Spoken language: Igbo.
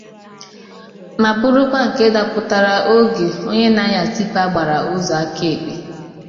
ma bụrụkwa nke dapụtàrà oge onye na-anya Tipa gbàrà ụzọ aka ekpe